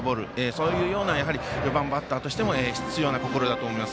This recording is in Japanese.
そういうような４番バッターとしても必要な心だと思います。